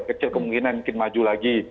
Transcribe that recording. kecil kemungkinan mungkin maju lagi